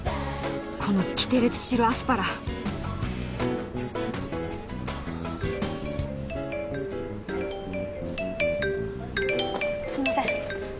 このキテレツ白アスパラすいません